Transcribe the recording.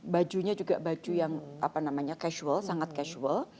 bajunya juga baju yang apa namanya casual sangat casual